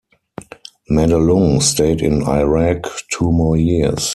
Madelung stayed in Iraq two more years.